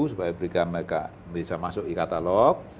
supaya mereka bisa masuk e katalog